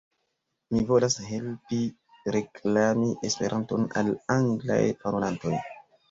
Mi volas helpi reklami Esperanton al anglaj parolantoj